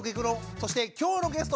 そして今日のゲストは！